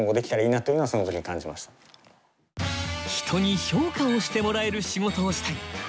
人に評価をしてもらえる仕事をしたい。